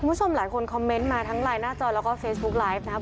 คุณผู้ชมหลายคนคอมเมนต์มาทั้งไลน์หน้าจอแล้วก็เฟซบุ๊กไลฟ์นะครับ